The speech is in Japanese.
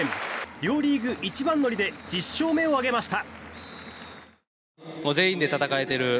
両リーグ一番乗りで１０勝目を挙げました。